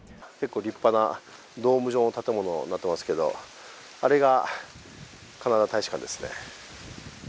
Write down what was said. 結構立派なドーム状の建物になってますけど、あれがカナダ大使館ですね。